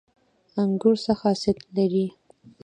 انګور څه خاصیت لري؟